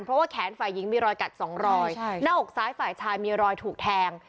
เพราะว่าแขนฝ่ายหญิงมีรอยกัดสองรอยหน้าอกซ้ายฝ่ายชายมีรอยถูกแทง